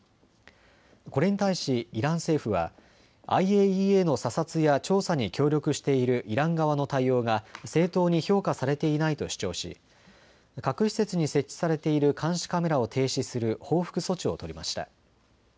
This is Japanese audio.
これに対しイラン政府はＩＡＥＡの査察や調査に協力しているイラン側の対応が正当に評価されていないと主張し、核施設に設置されている監視カメラを停止する報復措置を取りました。